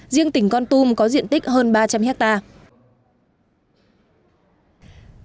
riêng tỉnh con tum có diện tích hơn ba trăm linh hectare